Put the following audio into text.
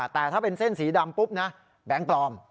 แต่ถ้าเป็นเส้นสีดำปุ๊บนะแบงค์ปลอม